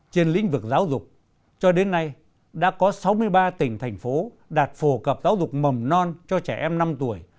trên lĩnh vực giáo dục cho đến nay đã có sáu mươi ba tỉnh thành phố đạt phổ cập giáo dục mầm non cho trẻ em năm tuổi